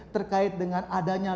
terkait dengan adanya